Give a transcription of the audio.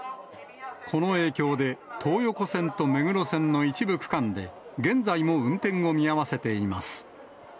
この影響で、東横線と目黒線の一部区間で、現在も運転を見合わせています。